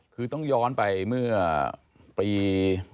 คือต้องย้อนไปเมื่อปี๕๘